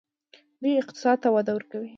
دوی اقتصاد ته وده ورکوي.